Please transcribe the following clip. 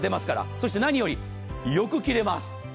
そして何よりよく切れます。